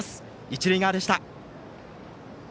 一塁側でした。